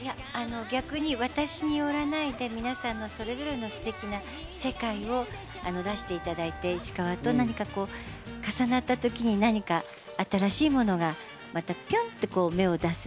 逆に私によらないで、皆さんのそれぞれのステキな世界を出していただいて、石川と何か重なった時に何か新しいものが、またピョンって芽を出す。